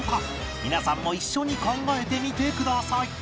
皆さんも一緒に考えてみてください